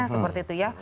seperti itu ya